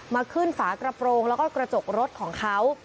มาขึ้นฝากระโปรงแล้วก็กระจกรถของเขา